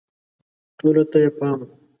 ټولو ته یې پام و